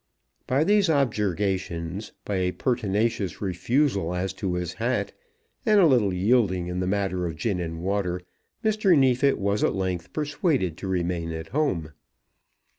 By these objurgations, by a pertinacious refusal as to his hat, and a little yielding in the matter of gin and water, Mr. Neefit was at length persuaded to remain at home.